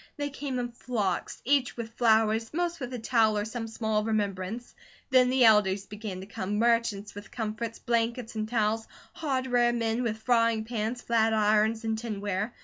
They came in flocks, each with flowers, most with a towel or some small remembrance; then the elders began to come, merchants with comforts, blankets, and towels, hardware men with frying pans, flat irons, and tinware.